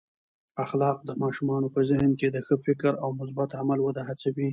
اخلاق د ماشومانو په ذهن کې د ښه فکر او مثبت عمل وده هڅوي.